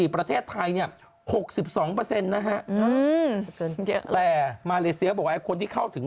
ประเทศไทย๖๒เปอร์เซ็นต์